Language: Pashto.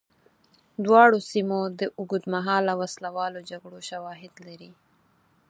دواړو سیمو د اوږدمهاله وسله والو جګړو شواهد لري.